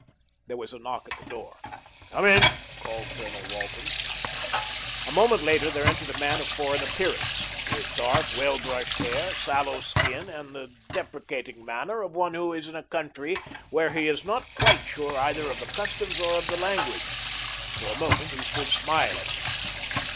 There was a knock at the door. "Come in," called Colonel Walton. A moment later there entered a man of foreign appearance, with dark well brushed hair, sallow skin and the deprecating manner of one who is in a country where he is not quite sure either of the customs or of the language. For a moment he stood smiling.